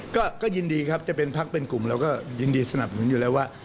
ก็ยินดีครับจะเป็นพักเป็นกลุ่มเราก็ยินดีสนับสนุนอยู่แล้วว่า